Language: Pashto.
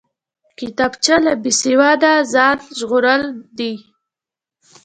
کتابچه له بېسواده ځان ژغورل دي